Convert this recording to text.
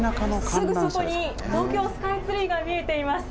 すぐそこに東京スカイツリーが見えています。